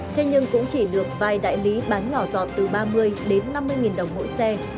thế nhưng cũng chỉ được vài đại lý bán nhỏ giọt từ ba mươi đến năm mươi nghìn đồng mỗi xe